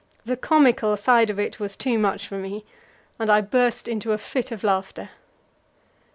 The comical side of it was too much for me, and I burst into a fit of laughter.